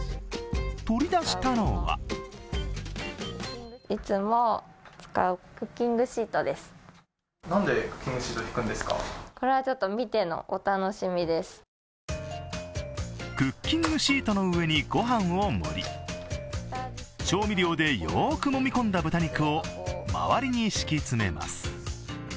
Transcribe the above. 取り出したのはクッキングシートの上に御飯を盛り、調味料でよくもみ込んだ豚肉を周りに敷き詰めます。